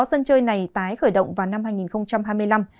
sân chơi này tái khởi động vào năm hai nghìn hai mươi năm